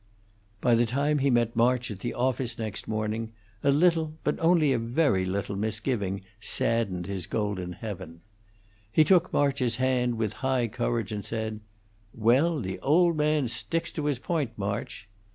By the time he met March at the office next morning, a little, but only a very little, misgiving saddened his golden heaven. He took March's hand with high courage, and said, "Well, the old man sticks to his point, March."